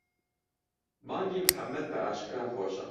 بانگی موحەممەد بەئاشکرا خۆشە.